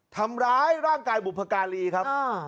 ทำร้ายร่างกายบุพการีครับ